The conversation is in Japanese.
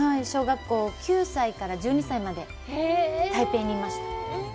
小学校、９歳から１２歳まで台北にいました。